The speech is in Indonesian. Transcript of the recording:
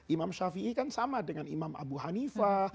imam shafi'i kan sama dengan imam abu hanifah